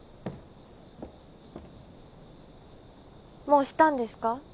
もうシたんですか？